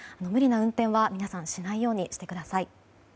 無理な運転は皆さんしないようにしてください。